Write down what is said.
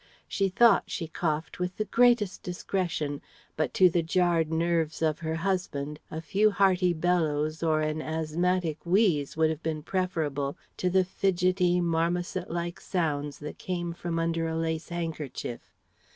She thought she coughed with the greatest discretion but to the jarred nerves of her husband a few hearty bellows or an asthmatic wheeze would have been preferable to the fidgety, marmoset like sounds that came from under a lace handkerchief.